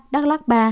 đắk lắc ba